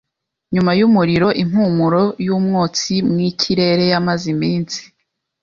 Nyuma yumuriro, impumuro yumwotsi mwikirere yamaze iminsi.